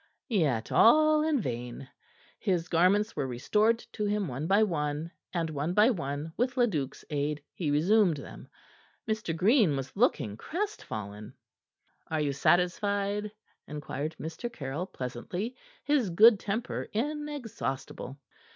Yet all in vain. His garments were restored to him, one by one, and one by one, with Leduc's aid, he resumed them. Mr. Green was looking crestfallen. "Are you satisfied?" inquired Mr. Caryll pleasantly, his good temper inexhaustible.